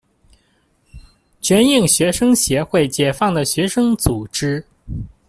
全印学生协会解放的学生组织。